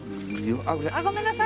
あっごめんなさい。